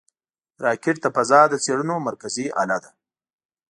راکټ د فضا د څېړنو مرکزي اله ده